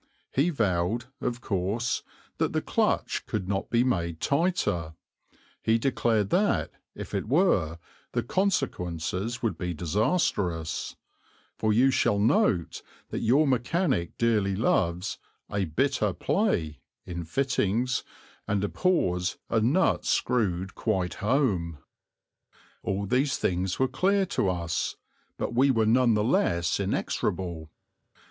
He vowed, of course, that the clutch could not be made tighter; he declared that, if it were, the consequences would be disastrous; for you shall note that your mechanic dearly loves "a bit o' play" in fittings, and abhors a nut screwed quite home. All these things were clear to us, but we were none the less inexorable.